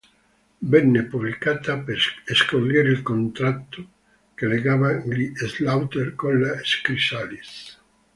Venne pubblicata per sciogliere il contratto che legava gli Slaughter con la Chrysalis.